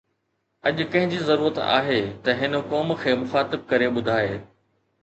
اڄ ڪنهن جي ضرورت آهي ته هن قوم کي مخاطب ڪري ٻڌائي